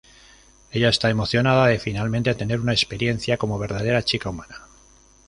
Ella está emocionada de finalmente tener una experiencia como verdadera chica humana.